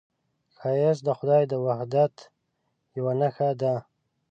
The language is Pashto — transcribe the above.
ښایست د خدای د وحدت یوه نښه ده